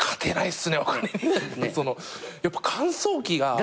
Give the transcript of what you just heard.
やっぱ乾燥機が。